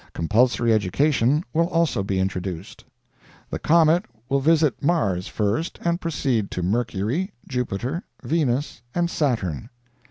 Compulsory education will also be introduced. The comet will visit Mars first, and proceed to Mercury, Jupiter, Venus, and Saturn.